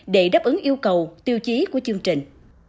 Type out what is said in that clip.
để đáp ứng yêu cầu tiêu chí của chương trình